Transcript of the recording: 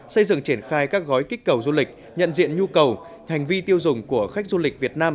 xây dựng triển khai các gói kích cầu du lịch nhận diện nhu cầu hành vi tiêu dùng của khách du lịch việt nam